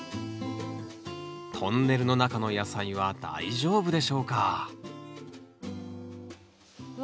トンネルの中の野菜は大丈夫でしょうかわ！